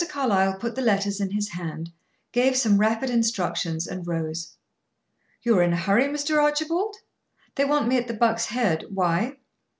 Carlyle put the letters in his hand, gave some rapid instructions, and rose. "You are in a hurry, Mr. Archibald?" "They want me at the Buck's Head. Why?"